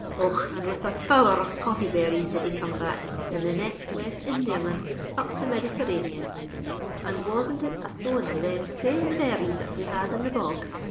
Och! and with a power r of coffeeberries did he come back, in the next West Indiaman, up the Meditherranean; and wasn't it a sowing of them same berries that we had in the bog!